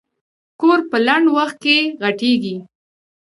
کور په لنډ وخت کې غټېږي.